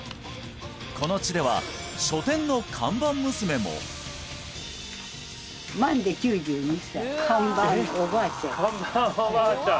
この地では書店の看板娘も看板おばあちゃん